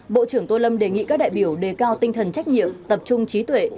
bộ trưởng tô lâm đề nghị các đại biểu đề cao tinh thần trách nhiệm tập trung trí tuệ